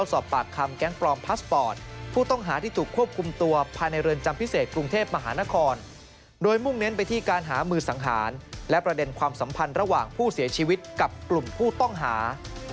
สารพิจารณาแล้วเห็นว่ามีเอกสารแล้วเห็นว่ามีเอกสาร